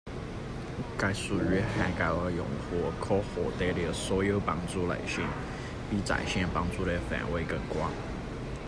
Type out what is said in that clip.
该术语涵盖了用户可获得的所有帮助类型，比在线帮助的范围更广。